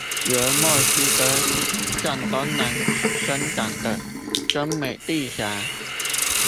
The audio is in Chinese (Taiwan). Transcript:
由墨西哥向東南伸展的中美地峽